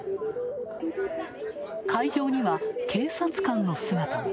会場には警察官の姿も。